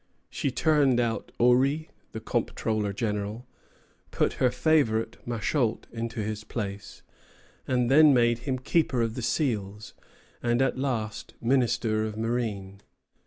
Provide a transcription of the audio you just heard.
She turned out Orry, the comptroller general, put her favorite, Machault, into his place, then made him keeper of the seals, and at last minister of marine.